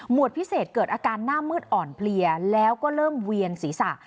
วดพิเศษเกิดอาการหน้ามืดอ่อนเพลียแล้วก็เริ่มเวียนศีรษะ